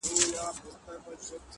یو خو نه دی را سره دي زر یادونه -